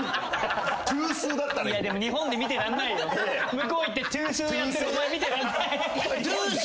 向こう行ってトゥースーやってるお前見てらんない。